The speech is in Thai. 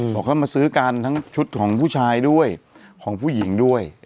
เขาก็มาซื้อกันทั้งชุดของผู้ชายด้วยของผู้หญิงด้วย